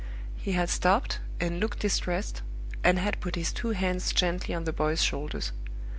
He had stopped and looked distressed, and had put his two hands gently on the boy's shoulders.